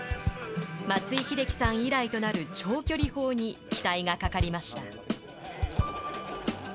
松井秀喜さん以来となる長距離砲に期待がかかりました。